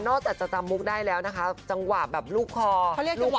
นอกจากจะจำมุกได้แล้วนะคะจังหวะแบบลูกคอลูกเล่น